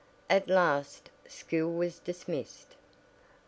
At last school was dismissed.